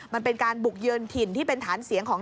มันเป็นการบุกเยือนถิ่นที่เป็นฐานเสียงของ